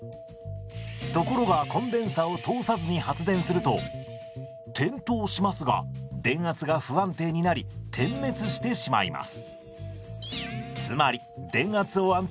ところがコンデンサを通さずに発電すると点灯しますが電圧が不安定になり点滅してしまいます。